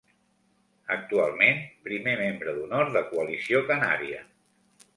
Actualment primer membre d'Honor de Coalició Canària.